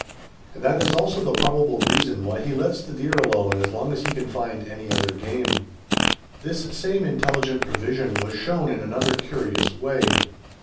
And that is also the probable reason why he lets the deer alone as long as he can find any other game. This same intelligent provision was shown in another curious way.